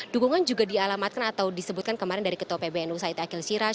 dukungan juga dialamatkan atau disebutkan kemarin dari ketua pbnu said akil siraj